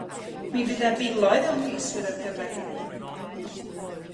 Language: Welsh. Mi fydd na filoedd o ymgeiswyr ar gyfer hynny!